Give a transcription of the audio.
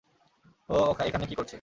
ও এখানে কী করছে?